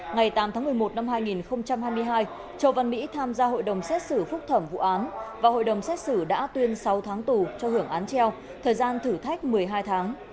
ngày tám tháng một mươi một năm hai nghìn hai mươi hai châu văn mỹ tham gia hội đồng xét xử phúc thẩm vụ án và hội đồng xét xử đã tuyên sáu tháng tù cho hưởng án treo thời gian thử thách một mươi hai tháng